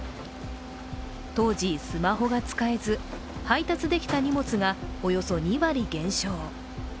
当時スマホが使えず、配達できた荷物がおよそ２割減少。